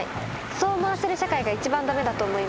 そう思わせる社会が一番駄目だと思います。